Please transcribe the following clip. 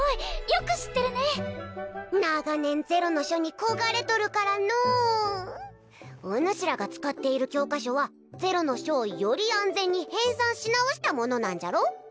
よく知ってるね長年ゼロの書に焦がれとるからのうおぬしらが使っている教科書はゼロの書をより安全に編さんし直したものなんじゃろ？